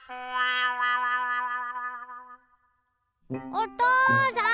おとうさん！